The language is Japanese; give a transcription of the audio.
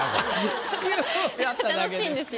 シュやっただけで。